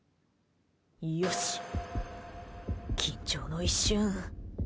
よし、緊張の一瞬。